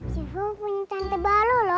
cukup main sama mama